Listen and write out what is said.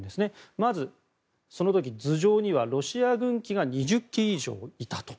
まず、その時頭上にはロシア軍機が２０機以上いたと。